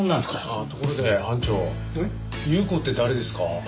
あっところで班長祐子って誰ですか？